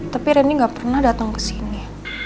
tapi randy enggak pernah datang kesini